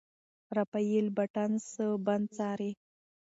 رافایل بیټانس بند څاري.